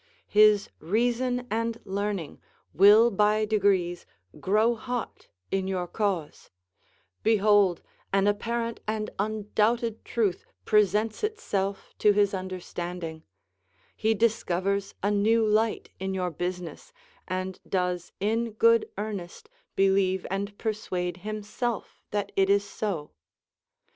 his reason and learning will by degrees grow hot in your cause; behold an apparent and undoubted truth presents itself to his understanding; he discovers a new light in your business, and does in good earnest believe and persuade himself that it is so.